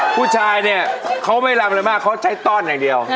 ผู้ชายเนี่ยเขาไม่รำอะไรมากเขาใช้ต้อนอย่างเดียว